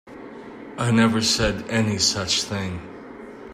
I never said any such thing.